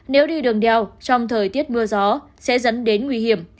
nếu đi đường đeo trong thời tiết mưa gió sẽ dẫn đến nguy hiểm